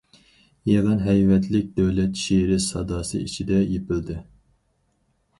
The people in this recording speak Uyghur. يىغىن ھەيۋەتلىك دۆلەت شېئىرى ساداسى ئىچىدە يېپىلدى.